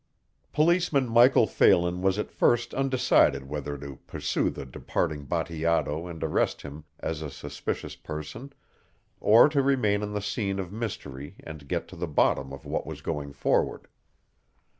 Policeman Michael Phelan was at first undecided whether to pursue the departing Bateato and arrest him as a suspicious person or to remain on the scene of mystery and get to the bottom of what was going forward.